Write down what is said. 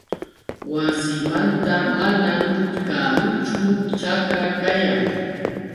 Wasiymanta manam karuchu ćhakra kayan.